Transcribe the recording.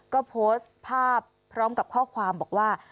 ก็โพสต์ภาพพร้อมกับข้อความบอกว่า